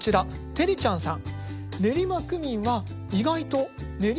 てりちゃんさん。